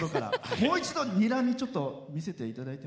もう一度にらみ見せていただいて。